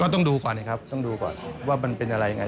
ต้องดูก่อนนะครับต้องดูก่อนว่ามันเป็นอะไรยังไง